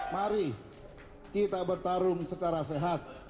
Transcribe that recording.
mari kita bertarung secara sehat